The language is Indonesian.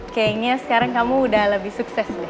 kayaknya sekarang kamu udah lebih sukses nih